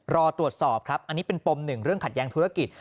รอตรวจสอบครับอันนี้เป็นปมหนึ่งเรื่องขัดแย้งธุรกิจ